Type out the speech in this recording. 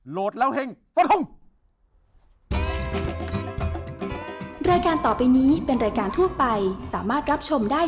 โหลดแล้วเฮ่งสวัสดีครับ